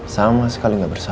sama sekali gak bersalah